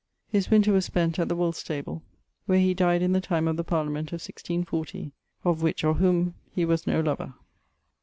His winter was spent at the Wolstable, where he dyed in the time of the Parliament of 1640, of wᶜʰ, or whome, he was no louer.